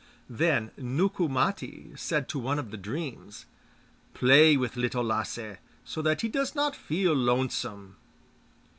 Then Nukku Matti said to one of the Dreams, 'Play with Little Lasse, so that he does not feel lonesome.